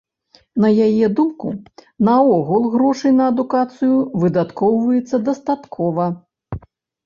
На яе думку, наогул грошай на адукацыю выдаткоўваецца дастаткова.